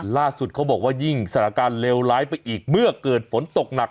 เขาบอกว่ายิ่งสถานการณ์เลวร้ายไปอีกเมื่อเกิดฝนตกหนัก